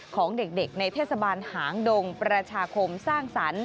ของเด็กในเทศบาลหางดงประชาคมสร้างสรรค์